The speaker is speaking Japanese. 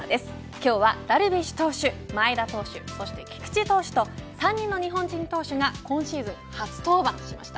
今日はダルビッシュ投手前田投手そして菊池投手と３人の日本人投手が今シーズン初登板しました。